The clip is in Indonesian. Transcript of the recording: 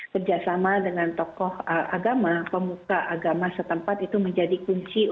kerjasama dengan tokoh agama pemuka agama setempat itu menjadi kunci